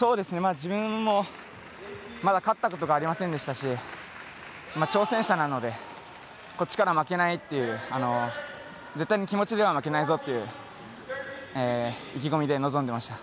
自分も、まだ勝ったことがありませんでしたし挑戦者なのでこっちから負けないという絶対に気持ちでは負けないぞっていう意気込みで、臨んでいました。